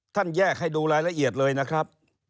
แยกให้ดูรายละเอียดเลยนะครับ